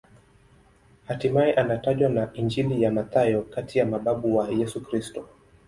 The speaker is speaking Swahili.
Hatimaye anatajwa na Injili ya Mathayo kati ya mababu wa Yesu Kristo.